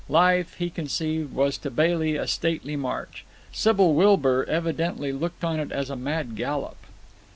Life, he conceived, was to Bailey a stately march. Sybil Wilbur evidently looked on it as a mad gallop.